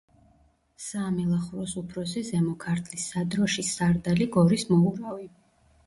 საამილახვროს უფროსი, ზემო ქართლის სადროშის სარდალი, გორის მოურავი.